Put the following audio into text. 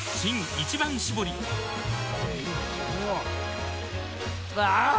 「一番搾り」あぁー！